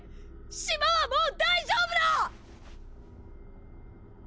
島はもう大丈夫だ！！